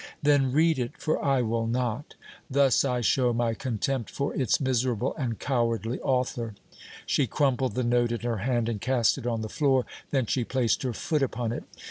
"Then read it, for I will not! Thus I show my contempt for its miserable and cowardly author!" She crumpled the note in her hand and cast it on the floor. Then she placed her foot upon it.